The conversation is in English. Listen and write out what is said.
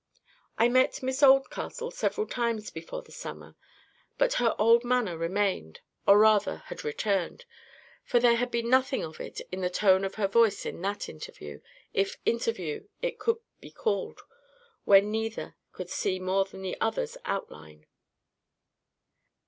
I met Miss Oldcastle several times before the summer, but her old manner remained, or rather had returned, for there had been nothing of it in the tone of her voice in that interview, if INTERVIEW it could be called where neither could see more than the other's outline.